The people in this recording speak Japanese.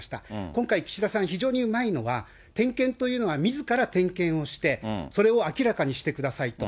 今回岸田さん、非常にうまいのは、点検というのは、みずから点検をして、それを明らかにしてくださいと。